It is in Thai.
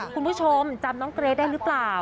คุณผู้ชมจำน้องเกรทได้หรือเปล่า